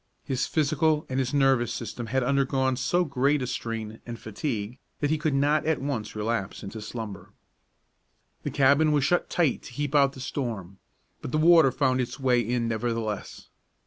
His physical and his nervous system had undergone so great a strain and fatigue that he could not at once relapse into slumber. The cabin was shut tight to keep out the storm, but the water found its way in nevertheless.